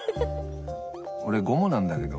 俺ゴムなんだけど。